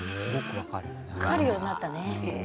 分かるようになったね。